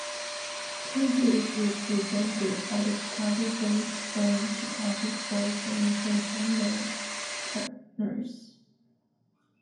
Purdy is represented by the Chicago-based firm Chicago Sports and Entertainment Partners.